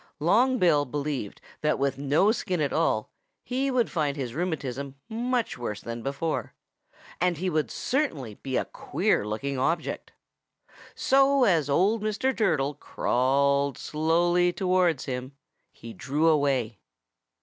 Long Bill believed that with no skin at all he would find his rheumatism much worse than before. And he would certainly be a queer looking object. So as old Mr. Turtle crawled slowly towards him, he drew away.